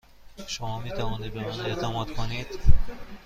شما می توانید به من اعتماد کنید.